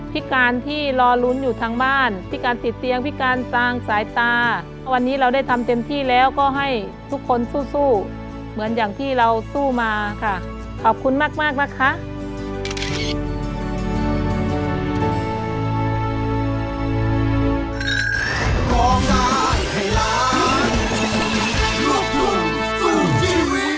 โปรดติดตามตอนต่อไป